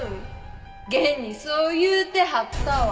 現にそう言うてはったわ。